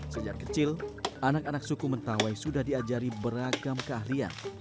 sejak kecil anak anak suku mentawai sudah diajari beragam keahlian